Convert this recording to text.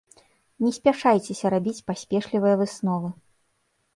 Не спяшаецеся рабіць паспешлівыя высновы.